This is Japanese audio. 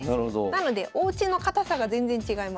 なのでおうちの堅さが全然違います。